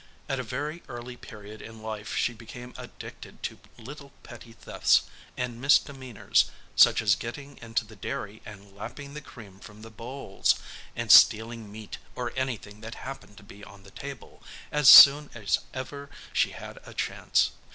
At a very early period in life she became addicted to little petty thefts and misdemeanors, such as getting into the dairy and lapping the cream from the bowls, and stealing meat or anything that happened to be on the table, as soon as ever she had a chance.